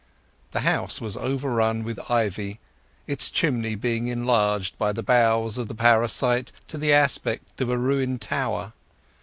The house was overrun with ivy, its chimney being enlarged by the boughs of the parasite to the aspect of a ruined tower.